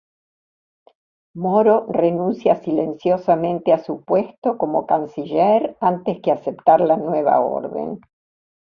Moro renuncia silenciosamente a su puesto como Canciller antes que aceptar la nueva orden.